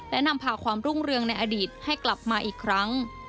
และนำพาความรุ่งเรืองในอดีตให้กลับมาอีกครั้ง